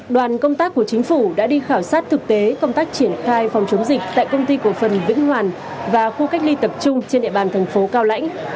đoàn công tác của chính phủ đã đi khảo sát thực tế công tác triển khai phòng chống dịch tại công ty cổ phần vĩnh hoàn và khu cách ly tập trung trên địa bàn thành phố cao lãnh